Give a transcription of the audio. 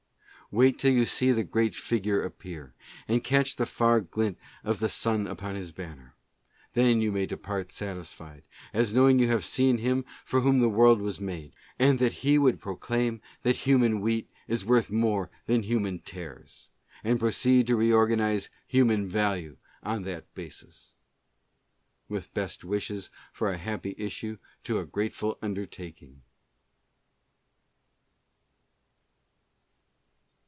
Wait till you see that great figure appear, and catch the far glint of the sun upon his banner; then you may depart satisfied, as knowing you have seen him for whom the world was made, and that he will proclaim that human wheat is worth more than human tares, and proceed to reorganize human value on that basis. With best wishes for a happy issue to a grateful undertaking.